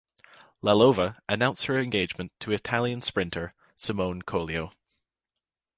Lalova announced her engagement to Italian sprinter Simone Collio.